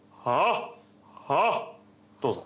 どうぞ。